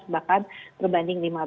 bahkan berbanding lima belas